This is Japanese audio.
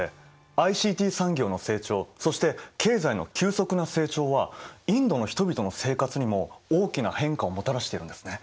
ＩＣＴ産業の成長そして経済の急速な成長はインドの人々の生活にも大きな変化をもたらしているんですね。